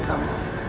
biar gak telat